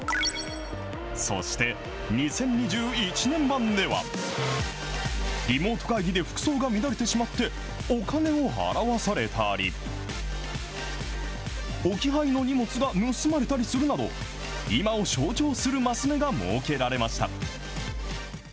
そして、２０２１年版では、リモート会議で服装が乱れてしまって、お金を払わされたり、置き配の荷物が盗まれたりするなど、今を象徴するマス目が設けられました。